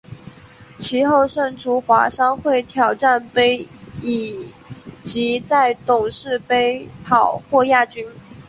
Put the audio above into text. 其后胜出华商会挑战杯以及在董事杯跑获亚军。